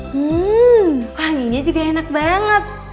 hmm wanginya juga enak banget